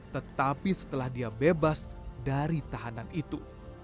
tetapi setelah dia bebas dari tahanan itu